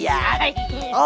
oke lah kalau begitu